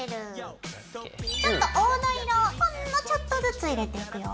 ちょっと黄土色をほんのちょっとずつ入れていくよ。